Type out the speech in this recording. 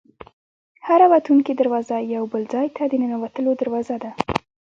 هره وتونکې دروازه یو بل ځای ته د ننوتلو دروازه ده.